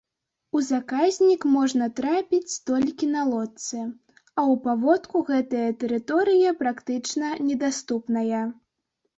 У заказнік можна трапіць толькі на лодцы, а ў паводку гэтая тэрыторыя практычна недаступная.